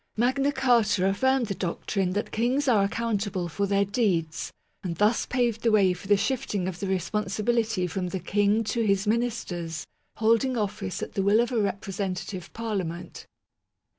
Magna Carta affirmed the doctrine that kings are accountable for their deeds, and thus paved the way for the shifting of the responsibility from the King to his ministers, holding office at the will of a Representative Parlia ment.